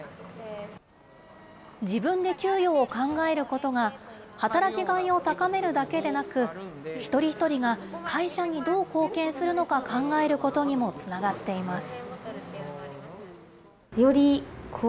自分で給与を考えることが、働きがいを高めるだけでなく、一人一人が会社にどう貢献するのか、考えることにもつながっています。